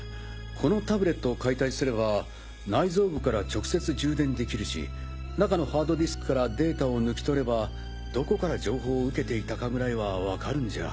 このタブレットを解体すれば内蔵部から直接充電できるし中のハードディスクからデータを抜き取ればどこから情報を受けていたかぐらいは分かるんじゃ？